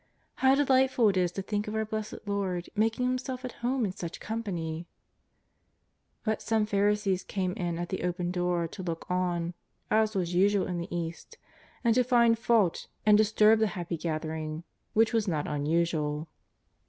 How de lightful it is to think of our Blessed Lord making Him self at home in such company ! But some Pharisees came in at the open door to look on, as was usual in the East, and to find fault and disturb the happy gathering, which was not usual.